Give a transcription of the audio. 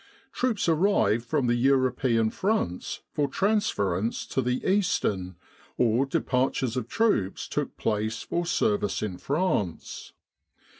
Troops arrived from the European Fronts for trans ference to the Eastern, or departures of troops took place for service in France.